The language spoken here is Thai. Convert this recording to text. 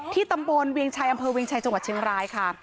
ตำบลเวียงชัยอำเภอเวียงชัยจังหวัดเชียงรายค่ะ